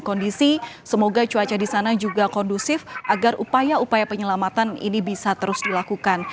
kondisi semoga cuaca di sana juga kondusif agar upaya upaya penyelamatan ini bisa terus dilakukan